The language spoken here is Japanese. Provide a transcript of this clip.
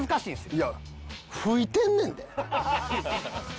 いや吹いてんねんで。